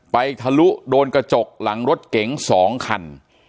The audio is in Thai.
ทะลุโดนกระจกหลังรถเก๋ง๒คัน